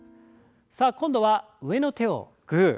さあ今度は上の手をグー。